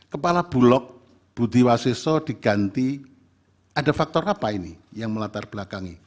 kepala bulog budi waseso diganti ada faktor apa ini yang melatar belakangi